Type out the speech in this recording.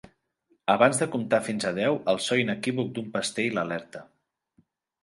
Abans de comptar fins a deu el so inequívoc d'un pestell l'alerta.